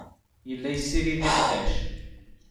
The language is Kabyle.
Yella yessirid iqbac.